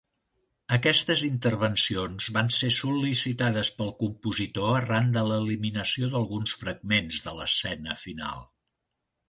Aquestes intervencions van ser sol·licitades pel compositor arran de l'eliminació d'alguns fragments de l'escena final.